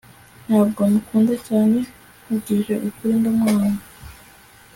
ntabwo mukunda cyane. nkubwije ukuri, ndamwanga